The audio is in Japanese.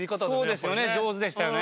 そうですよね上手でしたよね。